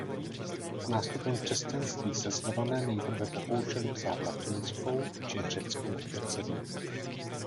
S nástupem křesťanství se Slované nejprve pokoušeli psát latinskou či řeckou abecedou.